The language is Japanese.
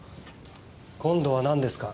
今度はなんですか？